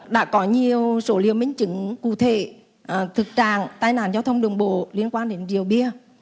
đã có nhiều số liều minh chứng cụ thể thực trạng tai nạn giao thông đường bộ liên quan đến rượu bia